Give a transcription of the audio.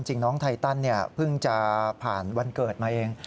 น้องไทตันเพิ่งจะผ่านวันเกิดมาเอง